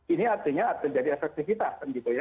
ini artinya terjadi efektivitas